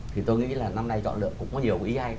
thì tôi nghĩ là năm nay chọn được cũng có nhiều ý hay